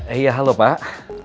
eh ya halo pak